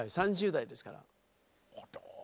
３０代ですから。